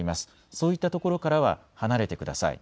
そういったところからは離れてください。